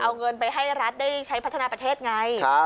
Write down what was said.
เอาเงินไปให้รัฐได้ใช้พัฒนาประเทศไง